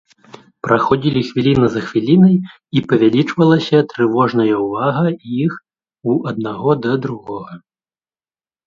Праходзілі хвіліна за хвілінай, і павялічвалася трывожная ўвага іх у аднаго да другога.